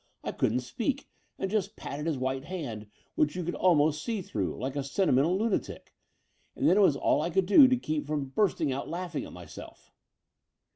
I couldn't speak, and just patted his white hand» which you could ahnost see through, like a sentimental lunatic: and then it was all I could do to keep from bursting out laughing at myself."